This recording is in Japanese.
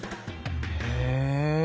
へえ。